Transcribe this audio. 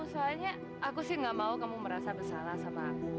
soalnya aku sih gak mau kamu merasa bersalah sama aku